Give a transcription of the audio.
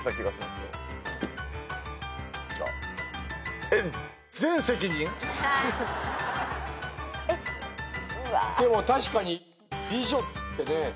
でも確かに「美女」ってねえ